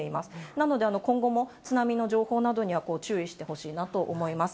なので、今後も津波の情報などには注意してほしいなと思います。